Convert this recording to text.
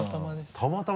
たまたま。